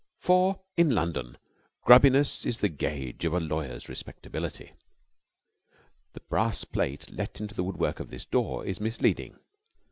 For in London grubbiness is the gauge of a lawyer's respectability. The brass plate, let into the woodwork of this door, is misleading.